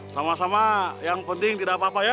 sama sama yang penting tidak apa apa ya